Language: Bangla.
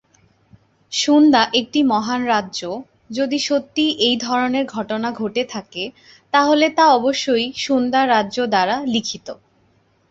সুন্দা একটি মহান রাজ্য, যদি সত্যিই এই ধরনের ঘটনা ঘটে থাকে, তাহলে তা অবশ্যই সুন্দা রাজ্য দ্বারা লিখিত।